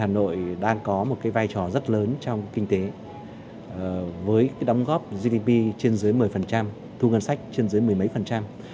hà nội đang có một vai trò rất lớn trong kinh tế với đóng góp gdp trên dưới một mươi thu ngân sách trên dưới mười mấy phần trăm